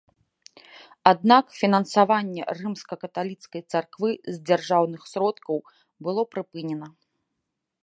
Аднак фінансаванне рымска-каталіцкай царквы з дзяржаўных сродкаў было прыпынена.